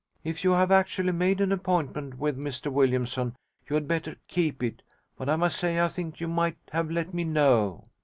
If you have actually made an appointment with Mr Williamson, you had better keep it, but I must say I think you might have let me know.'